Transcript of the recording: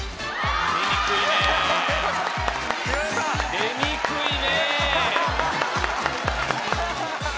出にくいね！